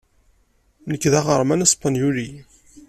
Nekk d aɣerman aspanyuli.